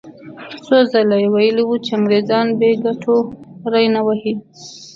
څو ځلې یې ویلي وو چې انګریزان بې ګټو ری نه وهي.